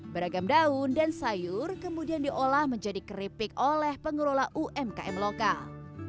beragam daun dan sayur kemudian diolah menjadi keripik oleh pengelola umkm lokal